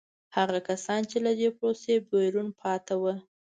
هغه کسان چې له دې پروسې بیرون پاتې وو.